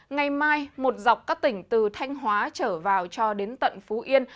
ngày mai một dọc các tỉnh từ thanh hóa trở vào cho đến tận phú yên